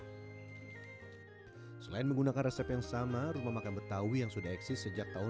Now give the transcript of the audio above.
hai selain menggunakan resep yang sama rumah makan betawi yang sudah exist sejak tahun